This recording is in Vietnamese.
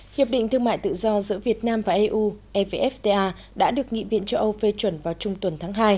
hiệp định thương mại tự do giữa việt nam và eu evfta đã được nghị viện châu âu phê chuẩn vào trung tuần tháng hai